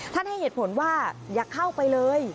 ให้เหตุผลว่าอย่าเข้าไปเลย